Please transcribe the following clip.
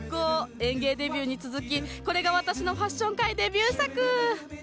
園芸デビューに続きこれが私のファッション界デビュー作！